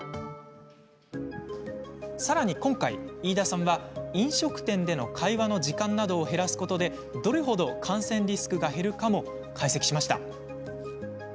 さらに今回、飯田さんは飲食店での会話の時間などを減らすことでどれほど感染リスクが減るかも解析しました。